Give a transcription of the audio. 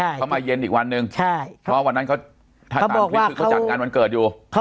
เขามาเย็นอีกวันหนึ่งเพราะวันนั้นเขาจัดงานวันเกิดอยู่